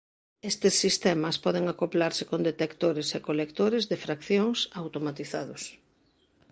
Estes sistemas poden acoplarse con detectores e colectores de fraccións automatizados.